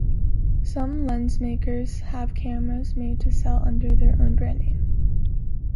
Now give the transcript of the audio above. Some lens makers have cameras made to sell under their own brand name.